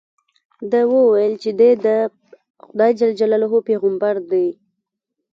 ده وویل چې دې د خدای جل جلاله پیغمبر دی.